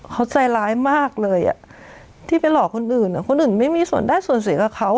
เขาใจร้ายมากเลยที่ไปหลอกคนอื่นคนอื่นไม่มีส่วนได้ส่วนเสียกับเขา